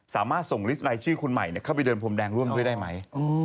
สามารถส่งลิสต์รายชื่อคุณใหม่เข้าไปเดินพรมแดงร่วมด้วยได้ไหม